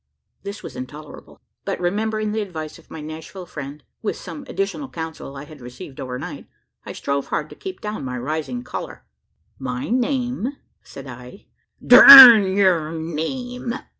This was intolerable; but remembering the advice of my Nashville friend with some additional counsel I had received over night I strove hard to keep down my rising choler. "My name," said I "Durn yur name!"